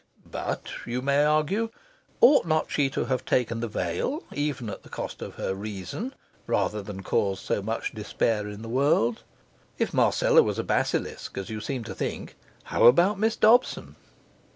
"But," you may argue, "ought not she to have taken the veil, even at the cost of her reason, rather than cause so much despair in the world? If Marcella was a basilisk, as you seem to think, how about Miss Dobson?"